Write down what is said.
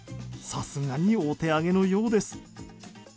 さすがに、お手上げのようです。